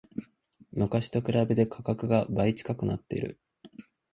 昔と比べて価格が倍近くなってる